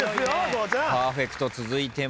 パーフェクト続いてます。